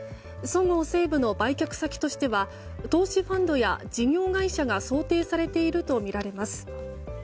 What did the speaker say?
そごう・西武の売却先としては投資ファンドや事業会社が想定されているとみられます。